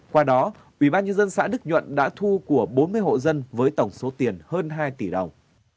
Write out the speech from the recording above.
qua đó ủy ban nhân dân xã đức nhuận đã thu của bốn mươi hộ dân với tổng số tiền hơn hai tỷ đồng